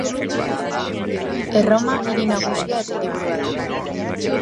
Erroma hiri nagusia eta hiriburua da.